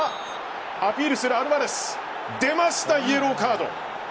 アピールするアルヴァレス出ました、イエローカード。